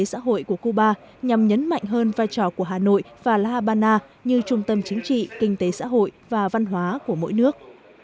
xã hội của cuba nhằm nhấn mạnh hơn vai trò của hà nội và la habana như trung tâm chính trị kinh tế xã hội và văn hóa của mỗi nước